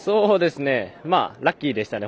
ラッキーでしたね。